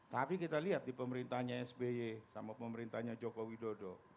tapi kita lihat di pemerintahnya sby sama pemerintahnya joko widodo